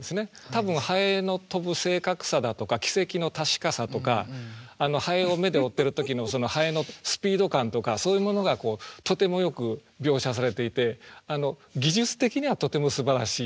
多分ハエの飛ぶ正確さだとか軌跡の確かさとかハエを目で追ってる時のそのハエのスピード感とかそういうものがとてもよく描写されていて技術的にはとてもすばらしい俳句だと思います。